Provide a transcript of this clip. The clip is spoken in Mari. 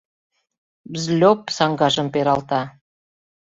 Бзльоп саҥгажым пералта.